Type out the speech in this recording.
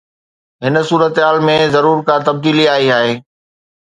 هن صورتحال ۾ ضرور ڪا تبديلي آئي آهي.